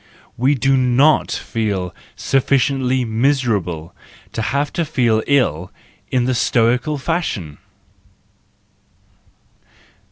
We do not feel sufficiently miserable to have to feel ill in the Stoical fashion!